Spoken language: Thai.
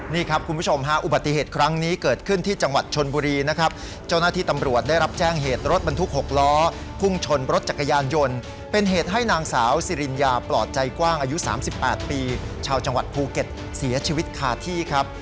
นี่ครับคุณผู้ชมฮะอุบัติเหตุครั้งนี้เกิดขึ้นที่จังหวัดชนบุรีนะครับเจ้าหน้าที่ตำรวจได้รับแจ้งเหตุรถบรรทุก๖ล้อพุ่งชนรถจักรยานยนต์เป็นเหตุให้นางสาวสิริญญาปลอดใจกว้างอายุ๓๘ปีชาวจังหวัดภูเก็ตเสียชีวิตคาที่ครับ